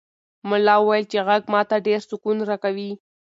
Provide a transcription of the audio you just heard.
ملا وویل چې غږ ماته ډېر سکون راکوي.